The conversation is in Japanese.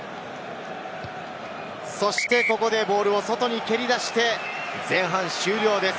そして、ここでボールを外に蹴り出して、前半終了です。